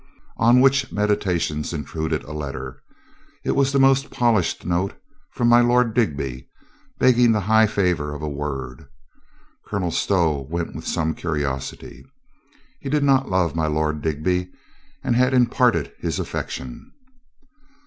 On which meditations intruded a letter. It was 346 COLONEL GREATHEART the most polished note from my Lord Digby, beg ging the high favor of a word. Colonel Stow went with some curiosity. He did not love my Lord Dig by and had imparted his affection.